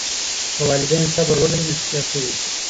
که والدین صبر ولري نتیجه ښه وي.